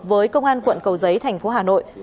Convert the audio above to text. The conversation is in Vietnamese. với công an quận cầu giấy thành phố hà nội